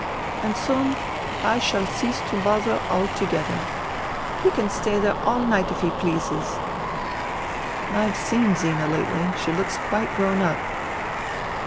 And soon I shall cease to bother altogether. He can stay there all night if he pleases." I've seen Zina lately. She looks quite grown up."